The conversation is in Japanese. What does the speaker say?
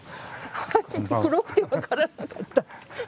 黒くて分からなかった。